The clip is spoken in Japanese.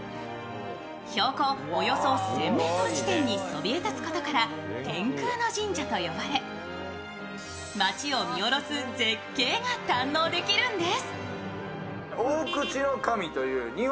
標高およそ１０００ｍ地点にそびえ立つことから天空の神社と呼ばれ街を見下ろす絶景が堪能できるんです。